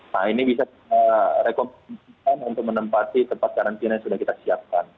nah ini bisa kita rekomendasikan untuk menempati tempat karantina yang sudah kita siapkan